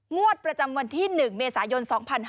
งวดประจำวันที่๑เมษายน๒๕๕๙